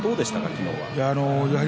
昨日は。